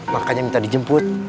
makanya minta dijemput